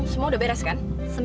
semua udah beres kan